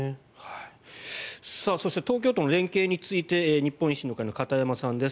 そして東京との連携について日本維新の会の片山さんです。